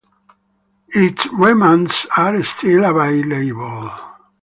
Its remnants are still available.